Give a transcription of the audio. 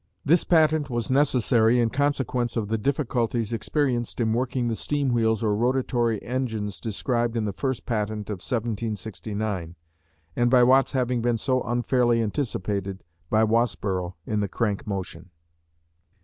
This patent was necessary in consequence of the difficulties experienced in working the steam wheels or rotatory engines described in the first patent of 1769, and by Watt's having been so unfairly anticipated, by Wasborough in the crank motion.